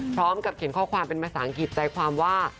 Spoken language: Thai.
พร้อมกับเขียนข้อความเป็นภาษาอังกฤษใจความว่า